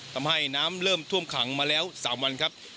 ทำให้น้ำเริ่มท่วมขังมาแล้ว๓วันครับ